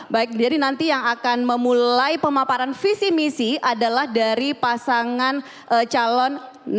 baik jadi nanti yang akan memulai pemaparan visi misi adalah dari pasangan calon